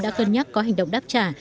đã cân nhắc có hành động đáp trả